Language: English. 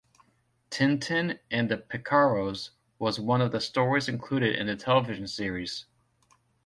"Tintin and the Picaros" was one of the stories included in the television series.